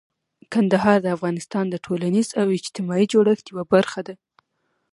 کندهار د افغانستان د ټولنیز او اجتماعي جوړښت یوه برخه ده.